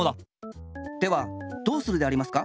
ではどうするでありますか？